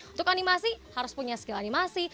untuk animasi harus punya skill animasi